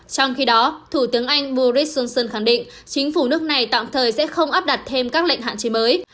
trong khi đó thủ tướng anh boris johnson khẳng định chính phủ nước này tạm thời sẽ không áp đặt thêm các lệnh hạn chế mới